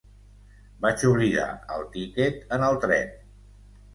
Vaig oblidar el tiquet en el tren.